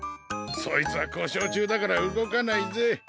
そいつはこしょうちゅうだからうごかないぜ。